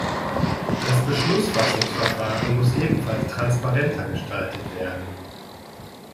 Das Beschlussfassungsverfahren muss ebenfalls transparenter gestaltet werden.